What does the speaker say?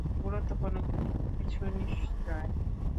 গুরুত্বপূর্ণ কিছু নিশ্চয়।